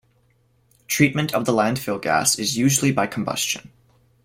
Treatment of the landfill gas is usually by combustion.